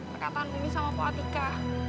perkataan bumi sama pak atika